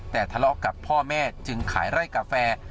แต่ทะเลาะกับพ่อแม่จึงขายไร่กาแฟ